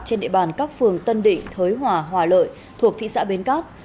trên địa bàn các phường tân định thới hòa hòa lợi thuộc thị xã bến cát